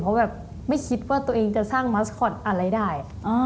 เพราะแบบไม่คิดว่าตัวเองจะสร้างมัสคอตอะไรได้